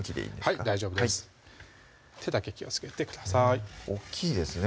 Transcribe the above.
はい大丈夫です手だけ気をつけてください大っきいですね